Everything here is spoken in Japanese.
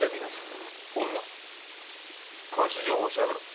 詳しい情報を調べろ。